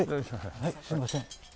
はいすみません。